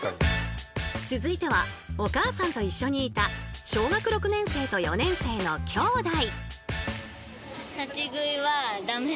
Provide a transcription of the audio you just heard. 続いてはお母さんと一緒にいた小学６年生と４年生の兄妹。